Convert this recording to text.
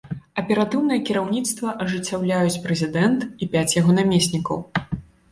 Аператыўнае кіраўніцтва ажыццяўляюць прэзідэнт і пяць яго намеснікаў.